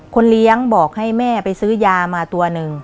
เลี้ยงบอกให้แม่ไปซื้อยามาตัวหนึ่ง